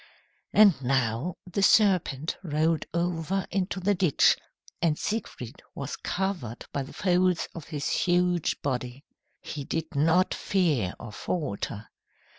And now the serpent rolled over into the ditch, and Siegfried was covered by the folds of his huge body. He did not fear or falter.